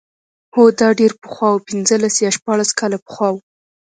هو دا ډېر پخوا و پنځلس یا شپاړس کاله پخوا و.